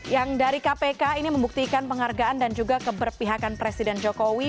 yang dari kpk ini membuktikan penghargaan dan juga keberpihakan presiden jokowi